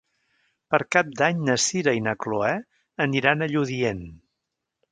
Per Cap d'Any na Sira i na Chloé aniran a Lludient.